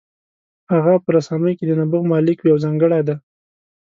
هغه په رسامۍ کې د نبوغ مالک وي او ځانګړی دی.